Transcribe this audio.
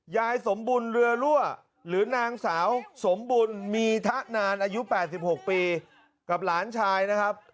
ยายสมบุญเรือรั่วหรือนางสาวสมบุญมีทะนานอายุ๘๖ปีกับหลานชายนะครับ